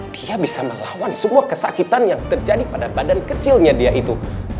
dia bisa melawan semua kesakitan yang terjadi pada badan kecilnya dia itu